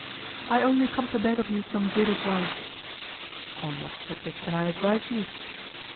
"I only come to beg of you some good advice." "On what subject can I advise you?"